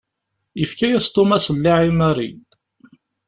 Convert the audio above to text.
Yefka-yas Tom aṣelliɛ i Mary.